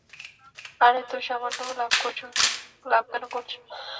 আরে তো সামান্য লাভ কেন করছো?